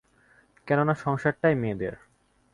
কেননা সংসারটাই মেয়েদের।